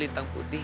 eh apa sih